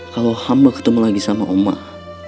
kalau hamba ketemu lagi sama omah